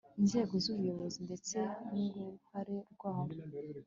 inzego z ubuyobozi ndetse n uruhare rwabo